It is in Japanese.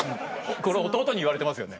これ弟に言われてますよね。